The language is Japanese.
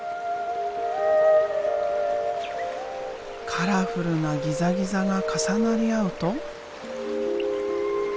カラフルなギザギザが重なり合うと。